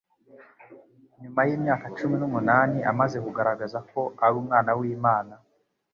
Nyuma y'imyaka cumi n'umunani Amaze kugaragaza ko ari Umwana w'Imana